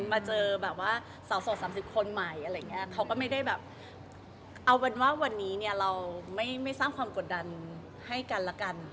มาเจอสาวสดสามสิบคนใหม่